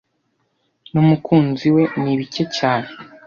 numukunzi we ni bike cyane